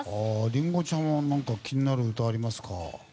林檎ちゃんは何か気になる歌ありますか？